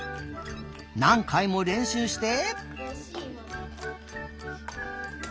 なんかいもれんしゅうして。